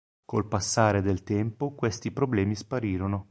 Col passare del tempo questi problemi sparirono.